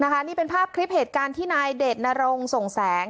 นี่เป็นภาพคลิปเหตุการณ์ที่นายเดชนรงส่งแสง